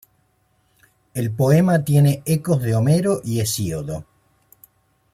El poema tiene ecos de Homero y Hesíodo.